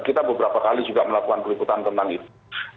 kita beberapa kali juga melakukan peliputan tentang itu